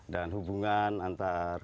dan hubungan antar